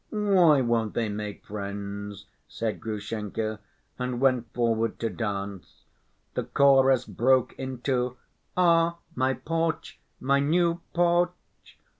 Why won't they make friends?" said Grushenka, and went forward to dance. The chorus broke into "Ah, my porch, my new porch!"